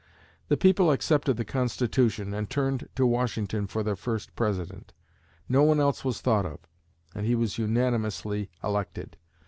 The people accepted the Constitution and turned to Washington for their first President. No one else was thought of, and he was unanimously elected.